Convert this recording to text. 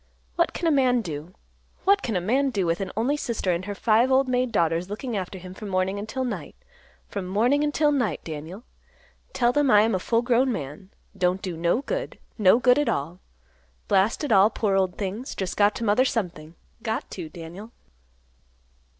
What can a man do; what can a man do, with an only sister and her five old maid daughters looking after him from morning until night, from morning until night, Daniel? Tell them I am a full grown man; don't do no good; no good at all. Blast it all; poor old things, just got to mother something; got to, Daniel."